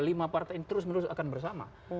lima partai ini terus menerus akan bersama